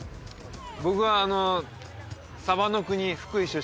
僕はサバの国福井出